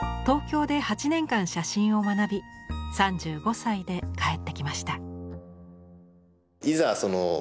東京で８年間写真を学び３５歳で帰ってきました。